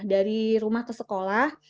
dari rumah ke sekolah